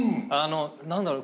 何だろう？